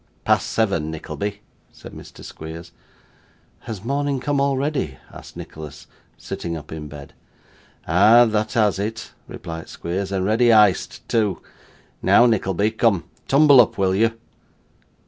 'Past seven, Nickleby,' said Mr. Squeers. 'Has morning come already?' asked Nicholas, sitting up in bed. 'Ah! that has it,' replied Squeers, 'and ready iced too. Now, Nickleby, come; tumble up, will you?